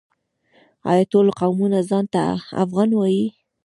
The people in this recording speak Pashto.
آیا ټول قومونه ځان ته افغان وايي؟